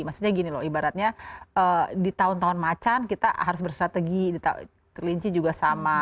maksudnya gini loh ibaratnya di tahun tahun macan kita harus bersrategi kelinci juga sama